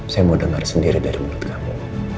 saya mau dengar sendiri dari mulut kamu